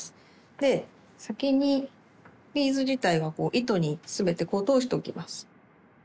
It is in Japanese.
で先にビーズ自体は糸に全て通しておきます。